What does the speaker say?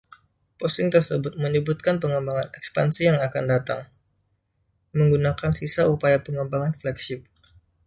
Posting tersebut menyebutkan pengembangan ekspansi yang akan datang, menggunakan sisa upaya pengembangan Flagship.